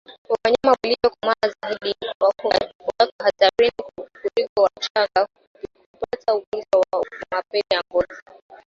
Wanyama waliokomaa wako hatarini zaidi kuliko wachanga kupata ugonjwa wa mapele ya ngozi